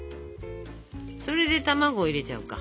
それで卵入れちゃおうか。